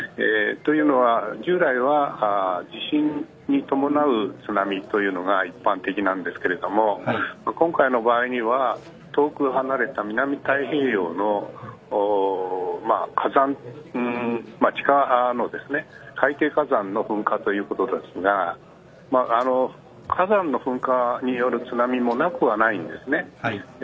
というのは、従来は地震に伴う津波というのが一般的なんですけど今回の場合には遠く離れた南太平洋の地下の海底火山の噴火ということですが火山の噴火による津波もなくはないんです。